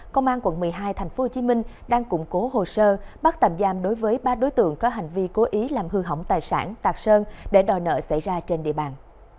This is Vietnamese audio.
công an quận một mươi hai tp hcm đang củng cố hồ sơ bắt tạm giam đối với ba đối tượng có hành vi cố ý làm hư hỏng tài sản tạc sơn để đòi nợ xảy ra trên địa bàn